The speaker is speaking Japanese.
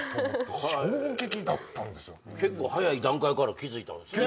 結構早い段階から気付いたんですね。